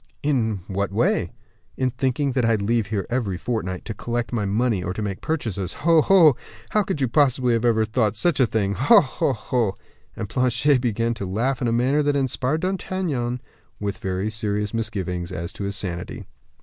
"In what way?" "In thinking that I leave here every fortnight, to collect my money or to make purchases. Ho, ho! how could you possibly have thought such a thing? Ho, ho, ho!" And Planchet began to laugh in a manner that inspired D'Artagnan with very serious misgivings as to his sanity.